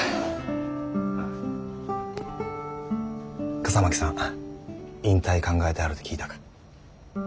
笠巻さん引退考えてはるて聞いたか？